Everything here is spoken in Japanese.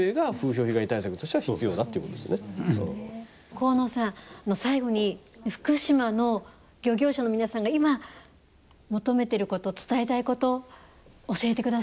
高野さん、最後に福島の漁業者の皆さんが今求めていること、伝えたいこと教えてください。